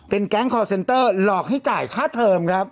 แก๊งคอร์เซ็นเตอร์หลอกให้จ่ายค่าเทอมครับ